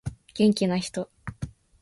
元気な人